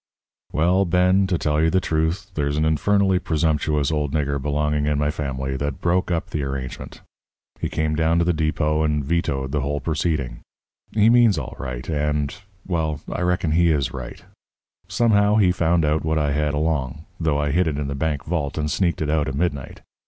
"Well, Ben, to tell you the truth, there's an infernally presumptuous old nigger belonging in my family that broke up the arrangement. He came down to the depot and vetoed the whole proceeding. He means all right, and well, I reckon he is right. Somehow, he had found out what I had along though I hid it in the bank vault and sneaked it out at midnight.